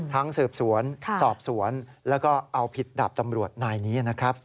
สืบสวนสอบสวนแล้วก็เอาผิดดาบตำรวจนายนี้นะครับ